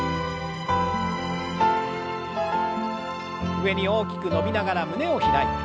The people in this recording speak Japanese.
上に大きく伸びながら胸を開いて。